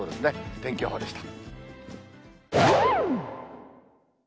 天気予報でした。